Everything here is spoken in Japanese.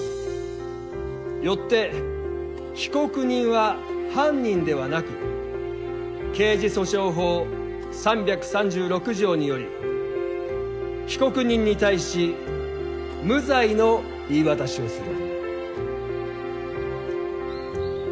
よって被告人は犯人ではなく刑事訴訟法３３６条により被告人に対し無罪の言い渡しをする。